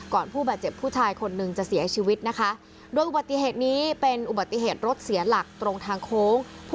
ผู้บาดเจ็บผู้ชายคนหนึ่งจะเสียชีวิตนะคะโดยอุบัติเหตุนี้เป็นอุบัติเหตุรถเสียหลักตรงทางโค้ง